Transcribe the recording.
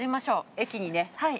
駅にね。